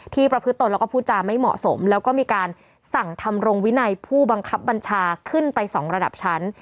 ประพฤตนแล้วก็พูดจาไม่เหมาะสมแล้วก็มีการสั่งทำรงวินัยผู้บังคับบัญชาขึ้นไปสองระดับชั้น